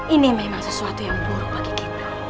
ini memang sesuatu yang buruk bagi kita